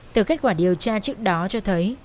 từ kết quả điều tra trước đó cho thấy